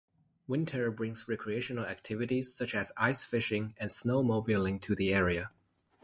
Winter brings recreational activities such as ice fishing and snowmobiling to the area.